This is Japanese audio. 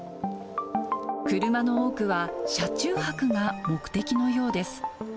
車の多くは車中泊が目的のようです。